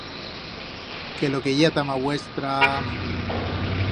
Que lo que ye a tama vuestra...